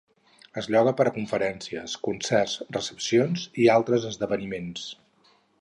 Es lloga per a conferències, concerts, recepcions i altres esdeveniments.